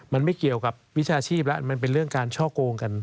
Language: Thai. มันไม่เกี่ยวกับวิชาชีพแล้วมันเป็นเรื่องการช่อโกงกัน